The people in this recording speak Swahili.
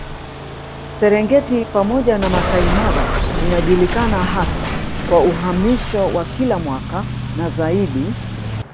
Serengeti pamoja na Masai Mara inajulikana hasa kwa uhamisho wa kila mwaka na zaidi